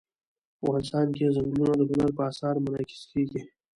افغانستان کې ځنګلونه د هنر په اثار کې منعکس کېږي.